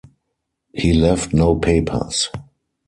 He left no papers.